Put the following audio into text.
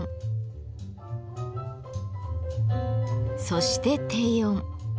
そして低音。